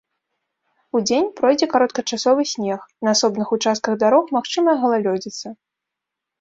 Удзень пройдзе кароткачасовы снег, на асобных участках дарог магчымая галалёдзіца.